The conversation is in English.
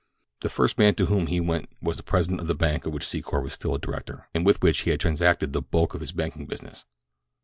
The first man to whom he went was the president of a bank of which Secor was still a director, and with which he had transacted the bulk of his banking business.